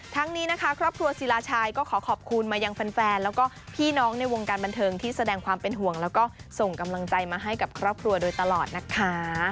ทั้งนี้นะคะครอบครัวศิลาชัยก็ขอขอบคุณมายังแฟนแล้วก็พี่น้องในวงการบันเทิงที่แสดงความเป็นห่วงแล้วก็ส่งกำลังใจมาให้กับครอบครัวโดยตลอดนะคะ